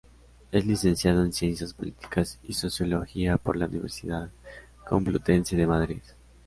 Es licenciado en Ciencias políticas y Sociología por la Universidad Complutense de Madrid.